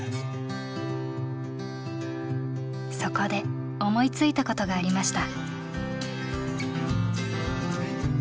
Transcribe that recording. そこで思いついたことがありました。